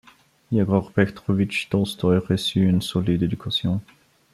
Iegor Petrovitch Tolstoï reçut une solide éducation.